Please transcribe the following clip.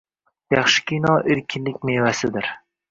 Yaxshi kino erkinlik mevasidir